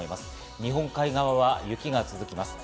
日本海側は雪が続きます。